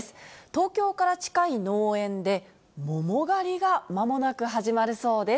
東京から近い農園で、桃狩りがまもなく始まるそうです。